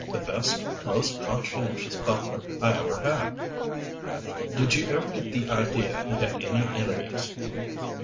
The best, most conscientious butler I ever had." "Did you ever get the idea he had any enemies?"